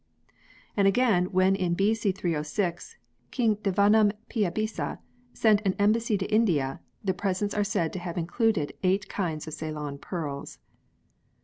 ; and again when in B.C. 306 King Devanampiyabissa sent an embassy to India the presents are said to have included eight kinds of Ceylon pearls.